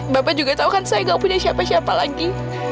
bapak juga tahu kan saya gak punya siapa siapa lagi